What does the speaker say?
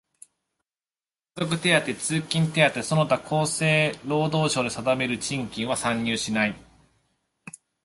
家族手当、通勤手当その他厚生労働省令で定める賃金は算入しない。